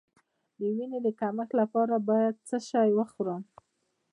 د وینې د کمښت لپاره باید څه شی وخورم؟